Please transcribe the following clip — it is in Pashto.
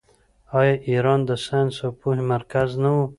آیا ایران د ساینس او پوهې مرکز نه و؟